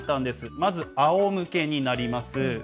まずあおむけになります。